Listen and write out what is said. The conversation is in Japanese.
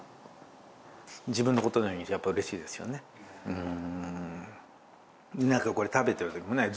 うん。